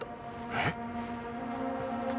えっ！